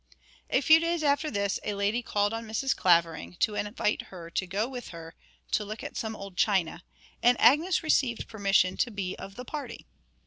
A few days after this a lady called on Mrs. Clavering to invite her to go with her to look at some old china, and Agnes received permission to be of the party.